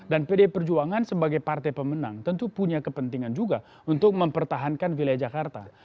dan pd perjuangan sebagai partai pemenang tentu punya kepentingan juga untuk mempertahankan wilayah jakarta